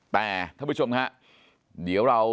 แต่ท่านผู้ชมครับเดี๋ยวเรา